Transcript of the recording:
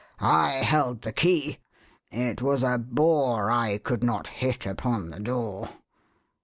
I held the key; it was a bore I could not hit upon the door.